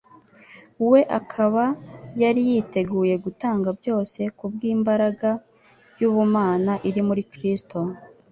we akaba yari yiteguye gutanga byose kubw'imbaraga y'ubumana iri muri Kristo,